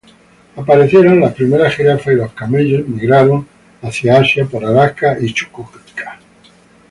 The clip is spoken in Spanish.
Aparecieron las primeras jirafas, y los camellos migraron hacia Asia por Alaska y Chukotka.